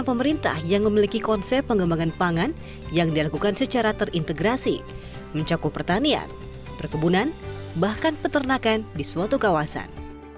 perkebunan bahkan peternakan di suatu kawasan